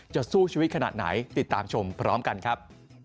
สู้ชีวิตขนาดไหนติดตามชมพร้อมกันครับ